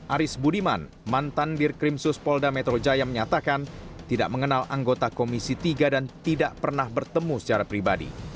aris budiman mantan dirkrimsus polda metro jaya menyatakan tidak mengenal anggota komisi tiga dan tidak pernah bertemu secara pribadi